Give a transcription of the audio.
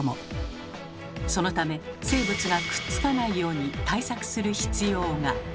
そのため生物がくっつかないように対策する必要が。